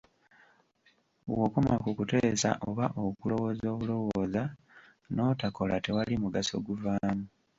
Bw'okoma ku kuteesa oba okulowooza obulowooza n'otakola, tewali mugaso guvaamu.